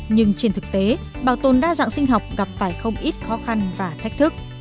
nhưng trên thực tế bảo tồn đa dạng sinh học gặp phải không ít khó khăn và thách thức